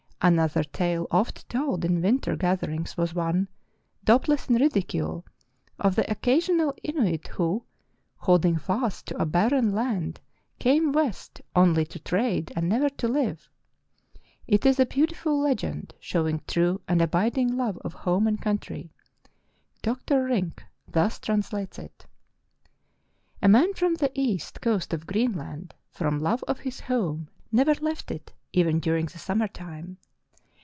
Another tale oft told in winter gath erings was one, doubtless in ridicule, of the occasional Inuit who, holding fast to a barren land, came west only to trade and never to live. It is a beautiful legend showing true and abiding love of home and country. Dr. Rink thus translates it: "A man from the east coast of Greenland from love of his home never left it even during the summer time.